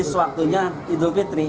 nanti sewaktunya hidupitri